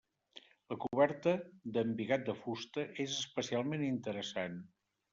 La coberta, d'embigat de fusta, és especialment interessant.